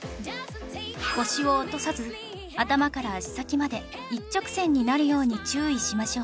腰を落とさず頭から足先まで一直線になるように注意しましょう